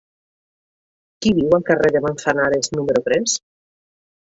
Qui viu al carrer de Manzanares número tres?